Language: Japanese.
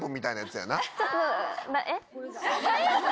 えっ？